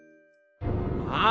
ああ！